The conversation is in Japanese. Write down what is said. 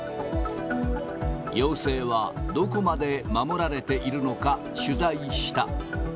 要請はどこまで守られているのか、取材した。